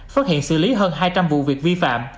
phát hiện xử lý hơn hai trăm linh vụ việc vi phạm